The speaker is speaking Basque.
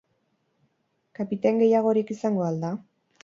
Kapitain gehiagorik izango al da?